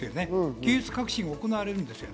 技術革新が行われるんです。